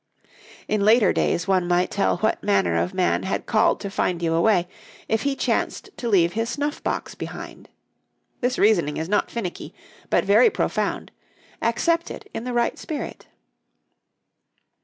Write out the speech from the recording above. In later days one might tell what manner of man had called to find you away if he chanced to leave his snuff box behind. This reasoning is not finicky, but very profound; accept it in the right spirit.